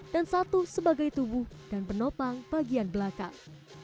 dan satu sebagai tubuh dan penopang bagian belakang